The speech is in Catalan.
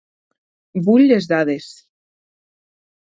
Vull les dades.